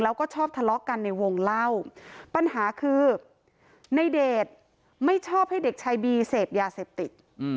แล้วก็ชอบทะเลาะกันในวงเล่าปัญหาคือในเดชไม่ชอบให้เด็กชายบีเสพยาเสพติด